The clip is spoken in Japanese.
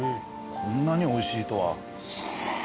こんなにおいしいとは。